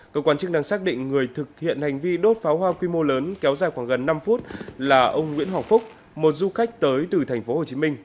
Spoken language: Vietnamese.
cơ quan chức năng xác định người thực hiện hành vi đốt pháo hoa quy mô lớn kéo dài khoảng gần năm phút là ông nguyễn hoàng phúc một du khách tới từ tp hcm